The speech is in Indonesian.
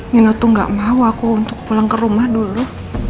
nino tuh gak mau aku untuk pulang kerumah dulu